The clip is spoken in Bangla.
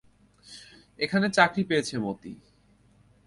এখানে চাকরি পেয়েছি মতি।